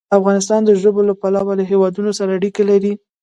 افغانستان د ژبو له پلوه له هېوادونو سره اړیکې لري.